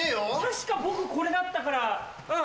確か僕これだったからうん。